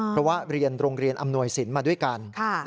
เพราะว่าเรียนโรงเรียนอำนวยสินมาด้วยกัน